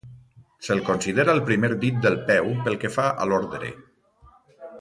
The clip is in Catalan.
Se'l considera el primer dit del peu pel que fa a l'ordre.